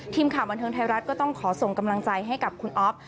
ทีมข่าวบันเทิงไทยรัฐก็ต้องขอส่งกำลังใจให้กับคุณอ๊อฟ